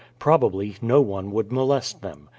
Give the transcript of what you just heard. Probably no one would molest them.